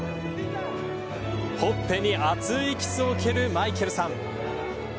ほっぺに熱いキスを受けるマイケルさん。